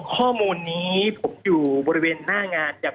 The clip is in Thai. ข้อมูลนี้ผมอยู่บริเวณหน้างานกับ